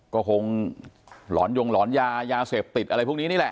ก็คงหลอนยงหลอนยายาเสพติดอะไรพวกนี้นี่แหละ